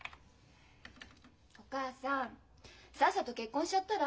お母さんさっさと結婚しちゃったら？